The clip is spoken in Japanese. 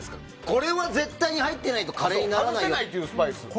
これは絶対に入っていないとカレーにならないというやつ。